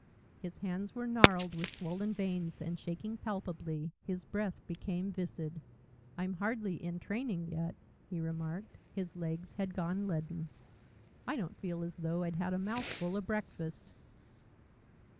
His hands were gnarled with swollen veins and shaking palpably, his breath came viscid. "I'm hardly in training yet," he remarked. His legs had gone leaden. "I don't feel as though I'd had a mouthful of breakfast."